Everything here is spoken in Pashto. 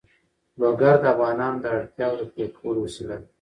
لوگر د افغانانو د اړتیاوو د پوره کولو وسیله ده.